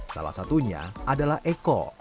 salah satunya adalah eko